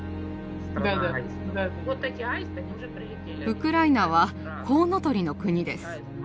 ウクライナはコウノトリの国です。